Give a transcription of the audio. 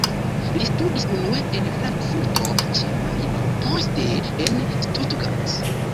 Li studis unue en Frankfurto ĉe Majno, poste en Stuttgart.